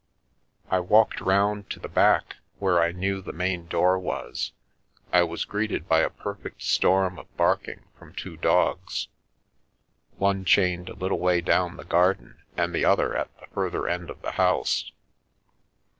I walked round to the back, where I knew the main door was. I was greeted by a perfect storm of barking from two dogs, one chained a little way down the garden and the other at the further end of the house.